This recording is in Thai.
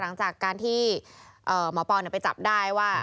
หลังจากการที่หมอปอนไปจับได้ว่า